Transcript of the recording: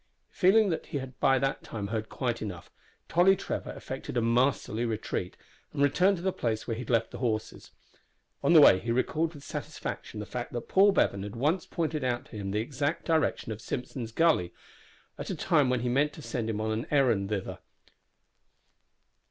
Feeling that he had by that time heard quite enough, Tolly Trevor effected a masterly retreat, and returned to the place where he had left the horses. On the way he recalled with satisfaction the fact that Paul Bevan had once pointed out to him the exact direction of Simpson's Gully at a time when he meant to send him on an errand thither.